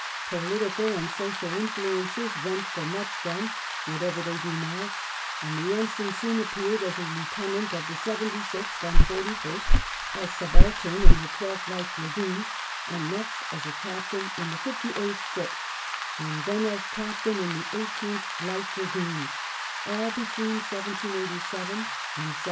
Political and social influences went for much then, what ever they do now, and the ensign soon appeared as a lieutenant of the Seventy sixth and Forty first, a sub altern in the Twelfth Light Dragoons, and next as a captain in the Fifty eighth Foot, and then as captain in the Eighteenth Light Dragoons, all between 1787 and 1792.